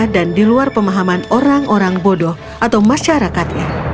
dan diluar pemahaman orang orang bodoh atau masyarakatnya